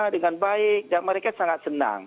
dengan baik dan mereka sangat senang